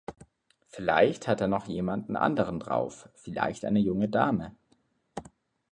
Vielleicht hat er noch jemanden anderen drauf - vielleicht eine junge Dame?